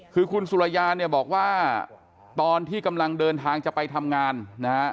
คือคุณสุรยาเนี่ยบอกว่าตอนที่กำลังเดินทางจะไปทำงานนะฮะ